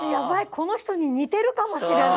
この人に似てるかもしれない。